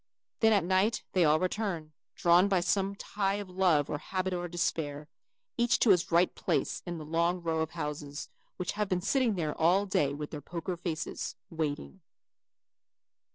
Then at night they all return, drawn by some tie of love or habit or despair, each to his right place in the long row of houses, which have been sitting there all day with their poker faces, waiting.